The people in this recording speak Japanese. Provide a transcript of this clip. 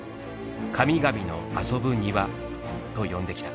「神々の遊ぶ庭」と呼んできた。